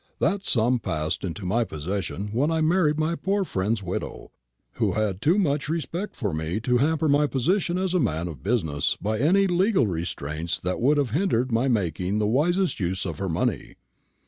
That sum passed into my possession when I married my poor friend's widow, who had too much respect for me to hamper my position as a man of business by any legal restraints that would have hindered my making the wisest use of her money.